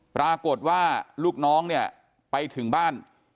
ปรากฏว่าลูกน้องเนี่ยไปถึงบ้าน